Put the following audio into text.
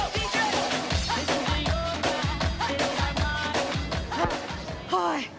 ปลายมาก